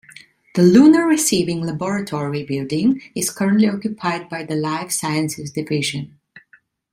The Lunar Receiving Laboratory building is currently occupied by the Life Sciences division.